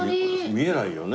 見えないよね。